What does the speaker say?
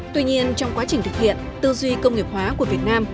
tuy nhiên trong quá trình thực hiện tư duy công nghiệp hóa của việt nam